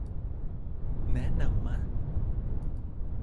แนะนำมะ